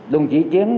đồng chí chiến